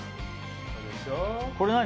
これ何？